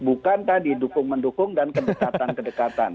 bukan tadi dukung mendukung dan kedekatan kedekatan